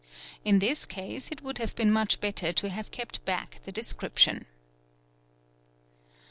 In this case it would have been much better to have kept back the description.